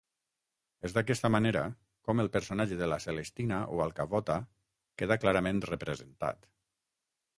És d'aquesta manera, com el personatge de La Celestina o alcavota queda clarament representat.